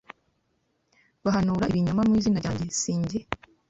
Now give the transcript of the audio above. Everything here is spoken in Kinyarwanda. bahanura ibinyoma mu izina ryanjye si jye